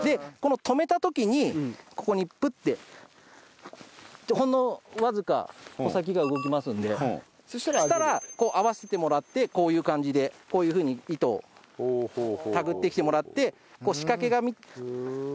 止めた時にここにプッ！ってほんのわずか穂先が動きますのでそしたら合わせてもらってこういう感じでこういう風に糸を手繰ってきてもらってこう仕掛けが。